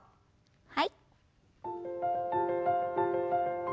はい。